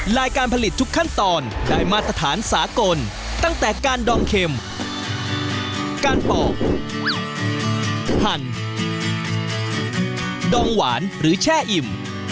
ลายการผลิตทุกขั้นตอนได้มาตรฐานสากลตั้งแต่การดองเข็มการปอกหั่นดองหวานหรือแช่อิ่ม